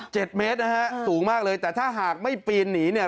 เมตรนะฮะสูงมากเลยแต่ถ้าหากไม่ปีนหนีเนี่ย